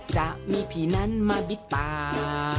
จะมีผีนั้นมาบิดตา